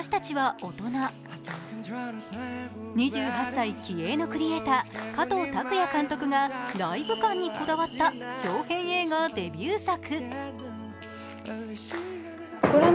２８歳、気鋭のクリエーター、加藤拓也監督がライブ感にこだわった長編映画デビュー作。